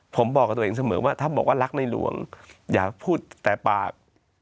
ผมบอกกับตัวเองเสมอว่าถ้าบอกว่ารักในหลวงอย่าพูดแต่ปาก